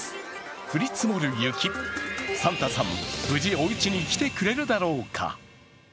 降り積もる雪、サンタさん、無事おうちに来てくれるだろうか。